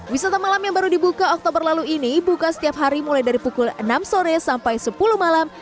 wisata malam yang baru dibuka oktober lalu ini buka setiap hari mulai dari pukul enam sore sampai sepuluh malam